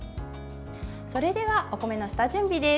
それでは、お米の下準備です。